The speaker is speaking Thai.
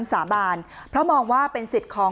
ก็อยู่ด้วยกันต่อไปก็ให้ออกมาวันนี้เลยในนิดนึงนะ